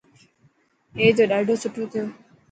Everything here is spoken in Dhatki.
اي ته ڏاڌو سٺو ٿيو.